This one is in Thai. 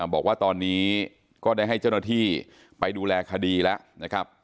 บอกว่าตอนนี้ก็ได้ให้เจ้าหน้าที่ไปดูแลคดีแล้วนะครับ